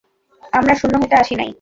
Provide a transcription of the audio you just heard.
আমরা শূন্য হইতে আসি নাই।